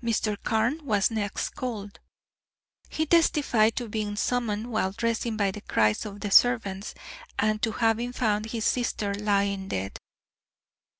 Mr. Carne was next called. He testified to being summoned while dressing by the cries of the servants, and to having found his sister lying dead.